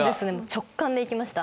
直感で行きました。